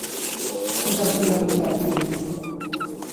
És el triomf d'èxit.